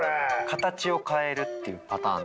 形を変えるっていうパターン。